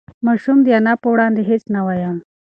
ماشوم د انا په وړاندې هېڅ نه ویل.